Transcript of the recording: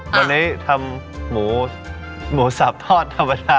วันนี้ทำหมูหมูสับทอดธรรมดา